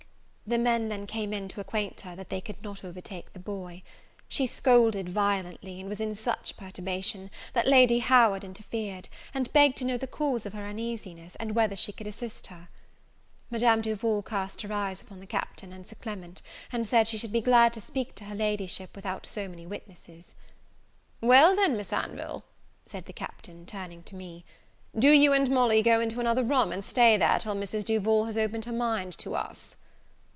The man then came in to acquaint her they could not overtake the boy. She scolded violently, and was in such perturbation, that Lady Howard interfered, and begged to know the cause of her uneasiness, and whether she could assist her. Madame Duval cast her eyes upon the Captain and Sir Clement, and said she should be glad to speak to her Ladyship without so many witnesses. "Well, then, Miss Anville," said the Captain, turning to me, "do you and Molly go into another room, and stay there till Mrs. Duval has opened her mind to us."